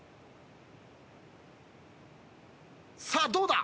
さあどうだ？